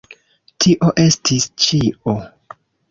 Tio estis ĉio.